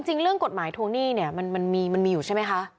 จริงเรื่องกฎหมายโทนี่มันมีอยู่ใช่มั้ยคะ